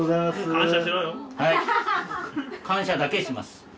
感謝だけします。